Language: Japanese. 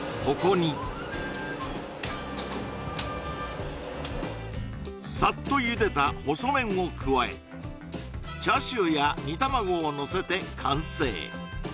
ここにさっとゆでた細麺を加えチャーシューや煮卵をのせて完成